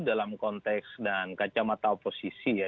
dalam konteks dan kacamata oposisi ya